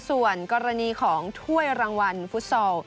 ส่วนกรณีของถ้วยรางวัลฟุตซอล